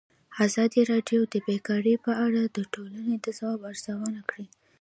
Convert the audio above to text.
ازادي راډیو د بیکاري په اړه د ټولنې د ځواب ارزونه کړې.